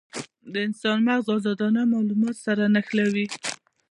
د انسان مغز ازادانه مالومات سره نښلوي.